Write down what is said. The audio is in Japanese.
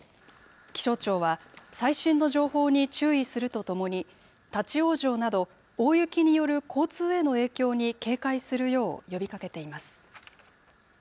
気象庁は、最新の情報に注意するとともに、立往生など、大雪による交通への影響に警戒するよう呼びかけています。